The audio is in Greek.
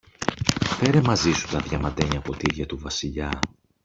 Φέρε μαζί σου τα διαμαντένια ποτήρια του Βασιλιά